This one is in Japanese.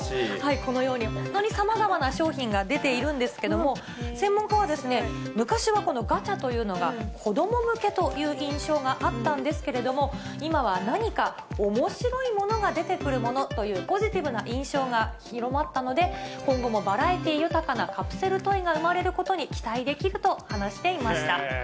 このように本当にさまざまな商品が出ているんですけれども、専門家は、昔はこのガチャというのが、子ども向けという印象があったんですけれども、今は何かおもしろいものが出てくるものというポジティブな印象が広まったので、今後もバラエティー豊かなカプセルトイが生まれることに期待できると話していました。